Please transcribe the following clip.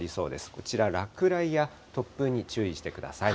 こちら、落雷や突風に注意してください。